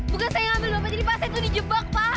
bukan saya ambil lupa dia pas itu di jebak